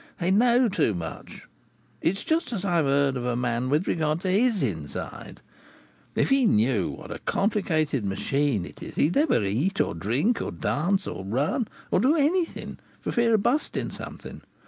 They know too much. It's just as I've heard of a man with regard to his inside: if he knew what a complicated machine it is, he would never eat, or drink, or dance, or run, or do anything, for fear of busting something.